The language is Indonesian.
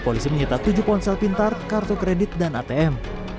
polisi menyita tujuh ponsel pintar kartu kredit dan atm